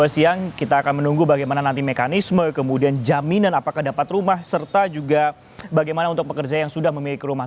siang kita akan menunggu bagaimana nanti mekanisme kemudian jaminan apakah dapat rumah serta juga bagaimana untuk pekerja yang sudah memiliki rumah